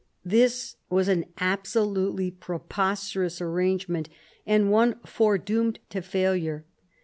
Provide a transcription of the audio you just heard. This was an absolutely preposterous arrangement and one foredoomed to^ failure.